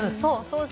そう。